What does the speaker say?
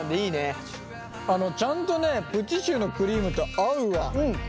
あのちゃんとねプチシューのクリームと合うわ。